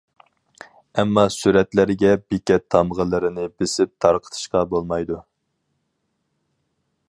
ئەمما، سۈرەتلەرگە بېكەت تامغىلىرىنى بېسىپ تارقىتىشقا بولمايدۇ.